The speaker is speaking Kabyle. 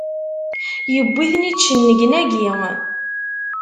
Yewwi-ten-id cennegnagi!